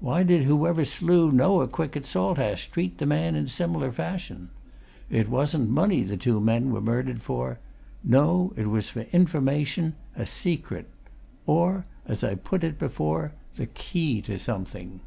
Why did whoever slew Noah Quick at Saltash treat the man in similar fashion? It wasn't money the two men were murdered for! no, it was for information, a secret! Or, as I put it before, the key to something."